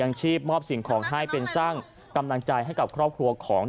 ยังชีพมอบสิ่งของให้เป็นสร้างกำลังใจให้กับครอบครัวของ